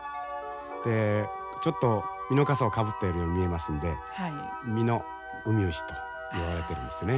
でちょっとミノカサをかぶったように見えますのでミノウミウシといわれてるんですね。